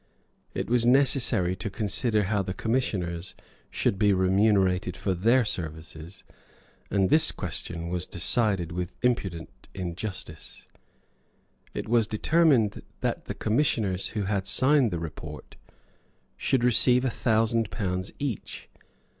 It was necessary to consider how the commissioners should be remunerated for their services; and this question was decided with impudent injustice. It was determined that the commissioners who had signed the report should receive a thousand pounds each.